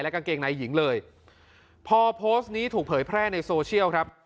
กางเกงในหญิงเลยพอโพสต์นี้ถูกเผยแพร่ในโซเชียลครับ